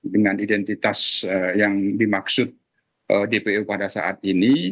dengan identitas yang dimaksud dpu pada saat ini